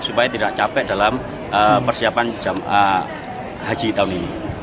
supaya tidak capek dalam persiapan haji tahun ini